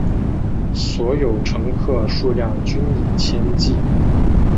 所有乘客数量均以千计。